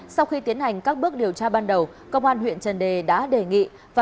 sau khi tiến hành các bước điều tra ban đầu công an huyện trần đề đã đề nghị